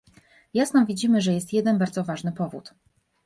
Jasno widzimy, że jest jeden, bardzo ważny powód